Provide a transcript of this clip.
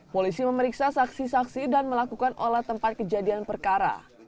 polisi memeriksa saksi saksi dan melakukan olah tempat kejadian perkara